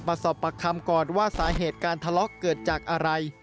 สอบประคำก่อนว่าสาเหตุการทะเลาะเกิดจากอะไร